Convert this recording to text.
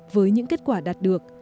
với những kết quả đạt được